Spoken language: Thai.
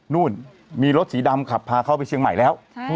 นู่นมีรถสีดำขับพาเข้าไปเชียงใหม่แล้ว